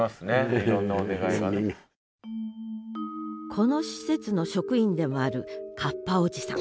この施設の職員でもあるカッパおじさん。